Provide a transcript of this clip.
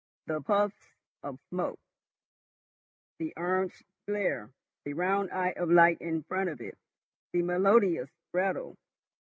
The puffs of smoke, the orange glare, the round eye of light in front of it, the melodious rattle.